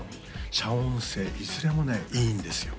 遮音性いずれもねいいんですよ